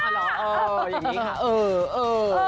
เออเออเออ